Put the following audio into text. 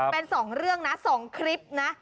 เป็น๒เรื่องนะ๒คลิปนะ